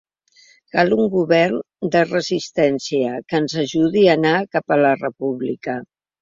Cal un govern de resistència, que ens ajudi a anar cap a la república.